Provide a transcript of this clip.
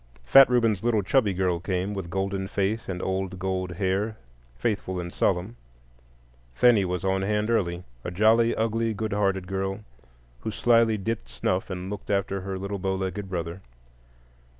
Fat Reuben's little chubby girl came, with golden face and old gold hair, faithful and solemn. 'Thenie was on hand early,—a jolly, ugly, good hearted girl, who slyly dipped snuff and looked after her little bow legged brother.